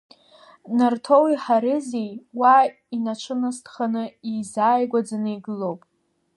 Нарҭоуи Ҳаризеи уа инацәынасҭханы иеизааигәаӡаны игылоуп.